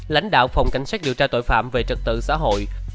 lãnh đạo phòng cảnh sát điều tra tội phạm về trật tự xã hội